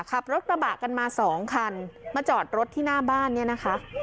ขับรถกระบะกันมาสองคันมาจอดรถที่หน้าบ้านเนี่ยนะคะ